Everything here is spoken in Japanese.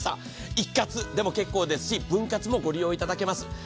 一括でも結構ですし分割もご利用いただけます。